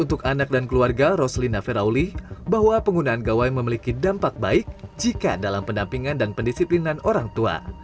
untuk anak dan keluarga roslina ferauli bahwa penggunaan gawai memiliki dampak baik jika dalam pendampingan dan pendisiplinan orang tua